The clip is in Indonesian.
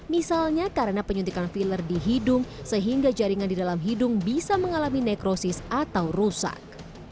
misalnya karena penyuntikan filler di hidung sehingga jaringan di dalam hidung bisa mengalami nekrosis atau rusak